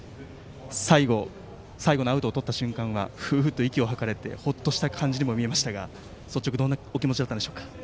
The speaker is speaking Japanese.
最後のアウトをとった瞬間はフーッと息をついてほっとした感じにも見えましたが率直に、どんなお気持ちだったんでしょうか？